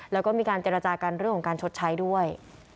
แล้วก็มีการเจรจากันเรื่องของการชดใช้ด้วย